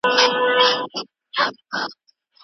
بریالیتوب ستاسو دی.